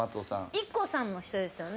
ＩＫＫＯさんの人ですよね。